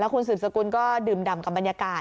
คุณสืบสกุลก็ดื่มดำกับบรรยากาศ